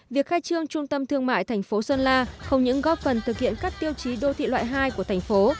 việc khai trương trung tâm thương mại thành phố sơn la không những góp phần thực hiện các tiêu chí đô thị loại hai của thành phố